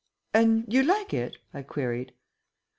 And you like it?" I queried.